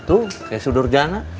tuh saya sudur jana